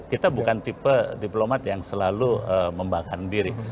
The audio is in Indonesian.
kita bukan tipe diplomat yang selalu membakar diri